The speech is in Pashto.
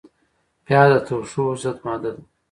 پیاز د توښو ضد ماده لري